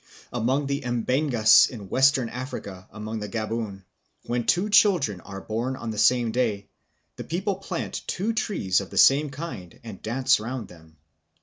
Among the M'Bengas in Western Africa, about the Gaboon, when two children are born on the same day, the people plant two trees of the same kind and dance round them.